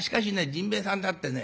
甚兵衛さんだってね